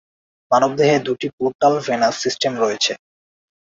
মানবদেহে দুটি portal venous system রয়েছে।